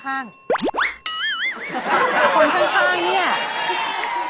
คนข้างนี่